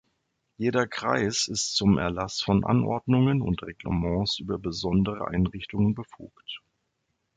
Jeder Kreis ist zum Erlass von Anordnungen und Reglements über besondere Einrichtungen befugt.